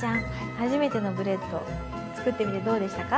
初めてのブレッド作ってみてどうでしたか？